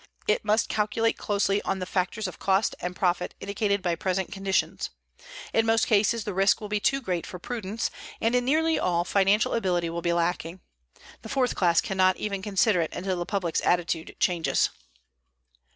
It must calculate closely on the factors of cost and profit indicated by present conditions. In most cases the risk will be too great for prudence, and in nearly all financial ability will be lacking. The fourth class cannot even consider it until the public's attitude changes.